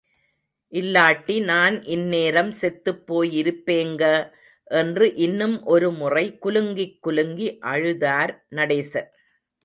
இல்லாட்டி நான் இந்நேரம் செத்துப் போயிருப்பேங்க, என்று இன்னும் ஒருமுறை குலுங்கிக் குலுங்கி அழுதார் நடேசன்.